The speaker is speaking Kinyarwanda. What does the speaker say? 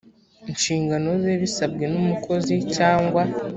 nshingano ze bisabwe n umukozi cyangwa